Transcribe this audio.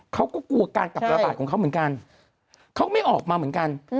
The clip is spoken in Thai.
เขาก็กลัวการกลับระบาดของเขาเหมือนกันเขาไม่ออกมาเหมือนกัน